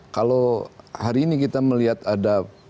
kalau hari ini kita melihat ada perdebatan perdebatan